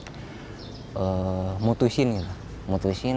saya mulai mengambil keputusan